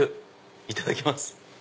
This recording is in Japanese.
いただきます！